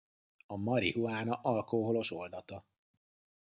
A marihuána alkoholos oldata.